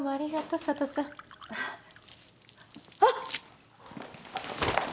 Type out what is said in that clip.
あっ！